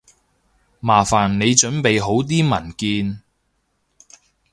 麻煩你準備好啲文件